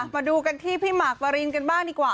มาดูกันที่พี่หมากปรินกันบ้างดีกว่า